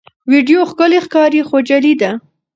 ویډیو ښکلي ښکاري خو جعلي ده.